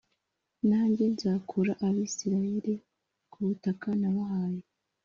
nanjye nzakura Abisirayeli ku butaka nabahaye